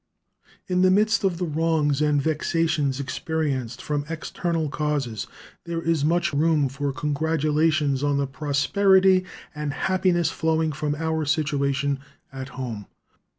In the midst of the wrongs and vexations experienced from external causes there is much room for congratulation on the prosperity and happiness flowing from our situation at home.